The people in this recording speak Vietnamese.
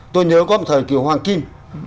tôi nhớ có một thời kiểu hoàng kim